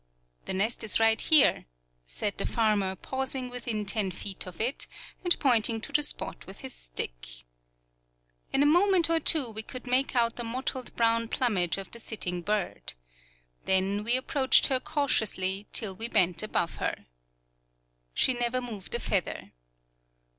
"The nest is right there," said the farmer, pausing within ten feet of it, and pointing to the spot with his stick. In a moment or two we could make out the mottled brown plumage of the sitting bird. Then we approached her cautiously till we bent above her. She never moved a feather.